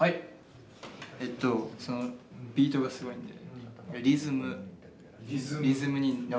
えっとそのビートがすごいんでリズムに乗る。